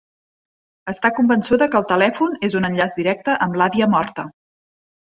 Està convençuda que el telèfon és un enllaç directe amb l'àvia morta.